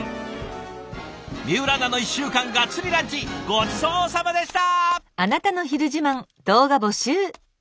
水卜アナの１週間がっつりランチごちそうさまでした！